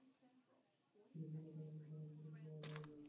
সেই শূন্যতাকে কখনোই পূরণ করা যায় না।